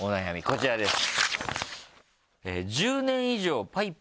こちらです。